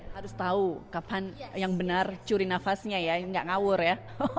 harus tahu kapan yang benar curi nafasnya ya nggak ngawur ya